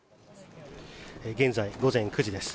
現在、午前９時です。